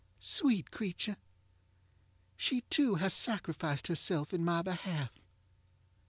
ŌĆØ Sweet creature! she too has sacrificed herself in my behalf.